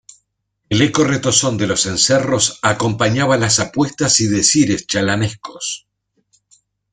el eco retozón de los cencerros acompañaba las apuestas y decires chalanescos,